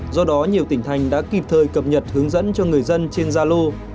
do đó nhiều tỉnh thành đã kịp thời cập nhật hướng dẫn cho người dân trên gia lô